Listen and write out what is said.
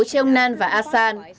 trên đất nước